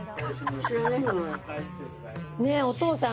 ねぇお父さん